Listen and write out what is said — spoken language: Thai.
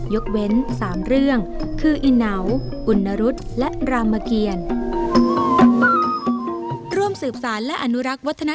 ยกเว้น๓เรื่องคืออีเหนาอุณรุษและรามเกียร